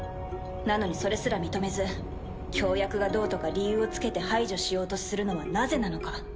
なのにそれすら認めず協約がどうとか理由をつけて排除しようとするのはなぜなのか。